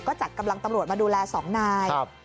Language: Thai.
ก็จัดกำลังตำรวจมาดูแล๒นาย